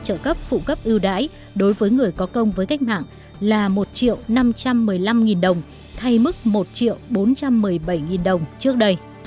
trợ cấp phụ cấp ưu đãi đối với người có công với cách mạng là một triệu năm trăm một mươi năm nghìn đồng thay mức một triệu bốn trăm một mươi bảy đồng trước đây